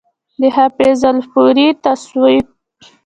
د حافظ الپورئ تصوف